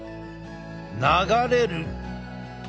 流れる。